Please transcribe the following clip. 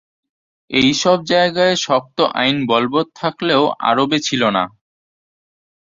এইসব জায়গায় শক্ত আইন বলবৎ থাকলেও আরবে ছিল না।